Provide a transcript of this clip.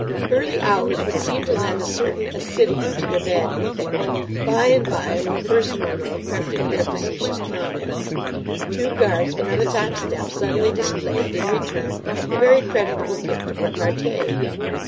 Early hours would seem to lend a certain acidity to their badinage. By and by a more personal note crept into their facetious comments. Two guardsmen on the top step suddenly displayed, in return, a very creditable gift of repartee.